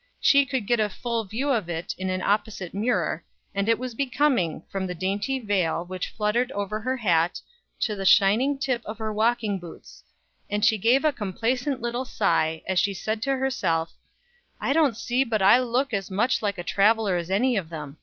She could get a full view of it in an opposite mirror, and it was becoming, from the dainty vail which fluttered over her hat, to the shining tip of her walking boots; and she gave a complacent little sigh, as she said to herself: "I don't see but I look as much like a traveler as any of them.